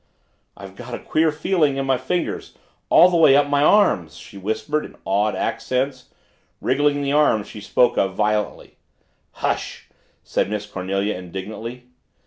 "I've got a queer feeling in my fingers all the way up my arms," she whispered in awed accents, wriggling the arms she spoke of violently. "Hush!" said Miss Cornelia indignantly.